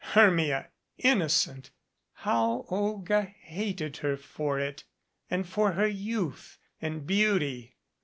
Hermia innocent ! How Olga hated her for it, and for her youth and beauty.